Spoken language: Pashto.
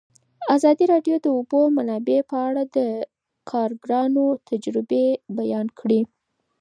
ازادي راډیو د د اوبو منابع په اړه د کارګرانو تجربې بیان کړي.